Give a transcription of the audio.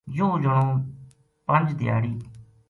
یوہ جنو پنج دھیاڑی